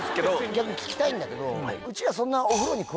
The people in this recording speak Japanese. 逆に聞きたいんだけど。